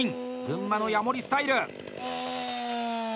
群馬のヤモリスタイル。